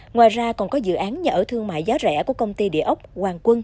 ngoài ra còn có dự án nhà ở thương mại giá rẻ của công ty địa ốc hoàng quân